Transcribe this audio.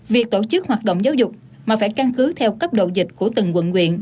việc tổ chức hoạt động giáo dục mà phải căn cứ theo cấp độ dịch của từng quận quyện